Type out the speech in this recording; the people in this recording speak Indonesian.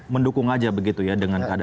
mendukung aja begitu ya dengan keadaan